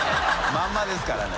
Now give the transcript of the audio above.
まんまですからね。